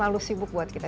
lo suka anak ya